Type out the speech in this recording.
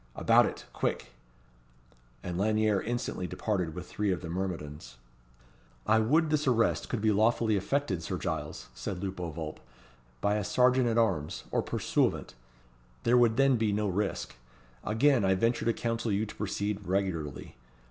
About it, quick!" And Lanyere instantly departed with three of the myrmidons. "I would this arrest could be lawfully effected, Sir Giles," said Lupo Vulp, "by a serjeant at arms or pursuivant. There would then be no risk. Again I venture to counsel you to proceed regularly.